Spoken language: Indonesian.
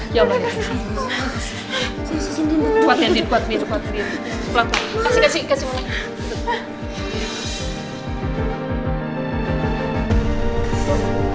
kasih kasih kasih